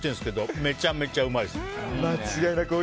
めちゃめちゃうまいです。